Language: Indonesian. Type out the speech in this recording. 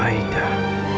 mencintai aida pak